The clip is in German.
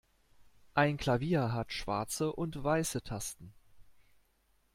Ein Klavier hat schwarze und weiße Tasten.